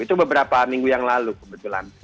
itu beberapa minggu yang lalu kebetulan